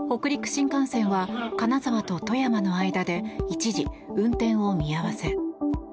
新幹線は金沢と富山の間で一時、運転を見合わせ。